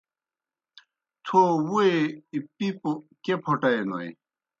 تھو وویئے پِپوْ کیْہ پھوٹائینوئے۔